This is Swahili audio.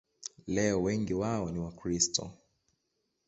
Leo wengi wao ni Wakristo.